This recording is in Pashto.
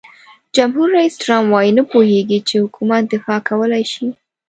جمهور رئیس ټرمپ وایي نه پوهیږي چې حکومت دفاع کولای شي.